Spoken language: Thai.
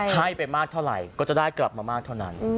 ให้ไปมากเท่าไหร่ก็จะได้กลับมามากเท่านั้น